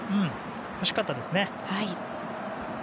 惜しかったですね。